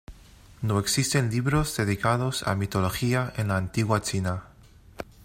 No existen libros dedicados a Mitología en la antigua China.